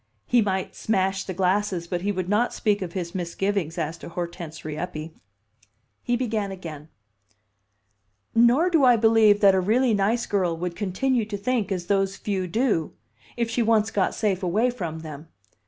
He might smash the glasses, but he would not speak of his misgivings as to Hortense Rieppe. He began again, "Nor do I believe that a really nice girl would continue to think as those few do, if she once got safe away from them.